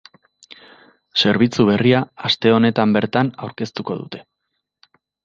Zerbitzu berria aste honetan bertan aurkeztuko dute.